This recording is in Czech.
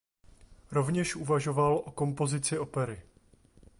Rovněž uvažoval o kompozici opery.